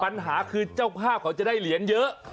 ปัญหาคือเจ้าภาพเขาจะได้เหรียญเยอะ